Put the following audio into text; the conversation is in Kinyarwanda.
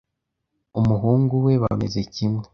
umuhungu we. Bameze kimwe